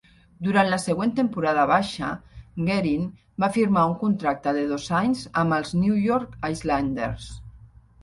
Durant la següent temporada baixa, Guerin va firmar un contracte de dos anys amb els New York Islanders.